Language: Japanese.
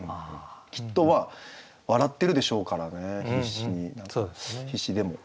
きっと笑ってるでしょうからね必死でも。